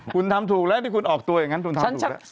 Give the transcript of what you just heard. คุณทำถูกแล้วที่คุณออกตัวอย่างนั้นคุณทำถูกแล้ว